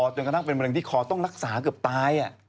จนกระทั่งเป็นมะเร็งที่คอต้องรักษาเกือบตาย